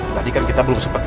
tadi kan kita belum sempat